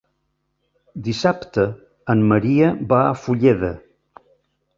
Dissabte en Maria va a Fulleda.